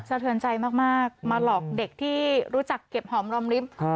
เทือนใจมากมาหลอกเด็กที่รู้จักเก็บหอมรอมลิ้ม